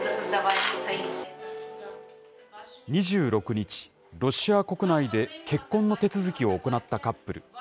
２６日、ロシア国内で結婚の手続きを行ったカップル。